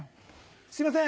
すいません。